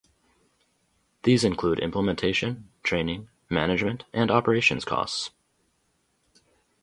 These include implementation, training, management, and operations costs.